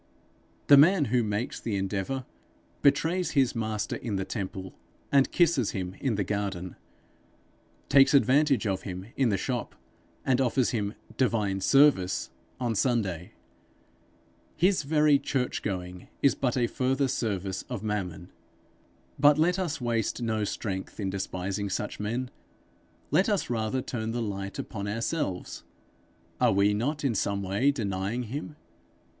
The man who makes the endeavour, betrays his Master in the temple and kisses him in the garden; takes advantage of him in the shop, and offers him 'divine service!' on Sunday. His very church going is but a further service of Mammon! But let us waste no strength in despising such men; let us rather turn the light upon ourselves: are we not in some way denying him?